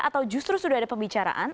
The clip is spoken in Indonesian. atau justru sudah ada pembicaraan